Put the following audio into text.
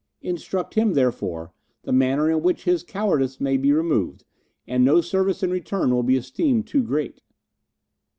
Instruct him, therefore, the manner in which this cowardice may be removed, and no service in return will be esteemed too great."